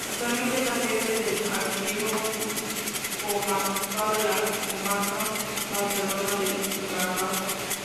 Actualmente es la sede del Archivo Comarcal de la comarca barcelonesa del Garraf.